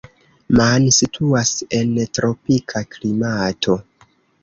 Man situas en tropika klimato.